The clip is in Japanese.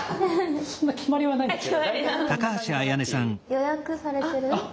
予約されてる場所？